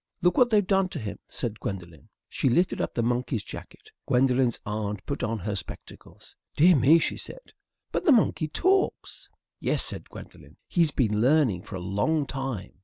"Look what they've done to him," said Gwendolen. She lifted the monkey's jacket. Gwendolen's aunt put on her spectacles. "Dear me!" she said; "but the monkey talks!" "Yes," said Gwendolen. "He's been learning for a long time."